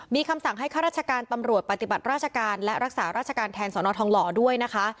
มีคำสั่งให้ข้าราชการตำรวจปฏิบัติราชการและรักษาราชการแทนสนทองหล่อด้วยนะคะ